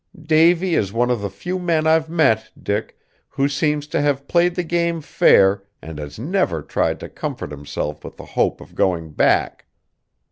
Davy is one of the few men I've met, Dick, who seems to have played the game fair and has never tried to comfort himself with the hope of going back.